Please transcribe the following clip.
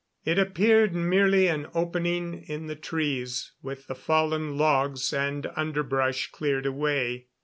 It appeared merely an opening in the trees with the fallen logs and underbrush cleared away.